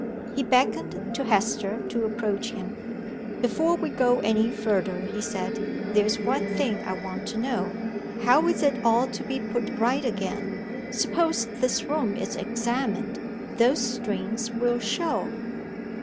He beckoned to Hester to approach him. "Before we go any further," he said, "there's one thing I want to know. How is it all to be put right again? Suppose this room is examined? Those strings will show."